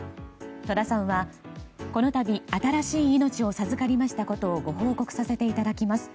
戸田さんは、この度、新しい命を授かりましたことをご報告させていただきます。